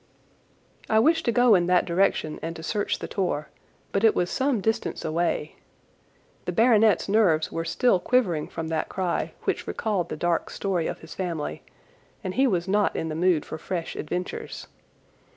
I wished to go in that direction and to search the tor, but it was some distance away. The baronet's nerves were still quivering from that cry, which recalled the dark story of his family, and he was not in the mood for fresh adventures.